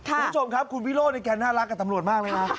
คุณผู้ชมครับคุณวิโรธนี่แกน่ารักกับตำรวจมากเลยนะ